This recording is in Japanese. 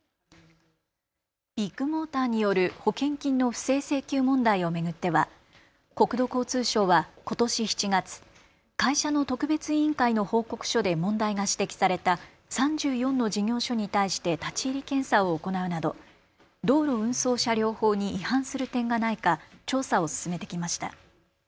ビッグモーターによる保険金の不正請求問題を巡っては国土交通省はことし７月、会社の特別委員会の報告書で問題が指摘された３４の事業所に対して立ち入り検査を行うなど道路運送車両法に違反する点がないか調査を進めてきました。